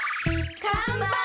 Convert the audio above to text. かんぱい！